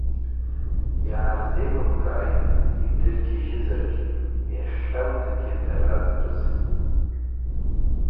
Иаарзеилымкааит, идыргьежьызаргь, иахьанӡагьы дара зтәыз.